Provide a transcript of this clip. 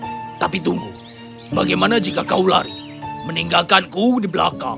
tapi tunggu bagaimana jika kau lari meninggalkanku di belakang